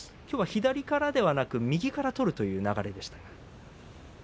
きょうは左からではなく右から取るという流れでした。